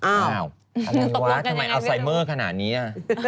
อะไรวะทำไมอัลไซเมอร์ขนาดนี้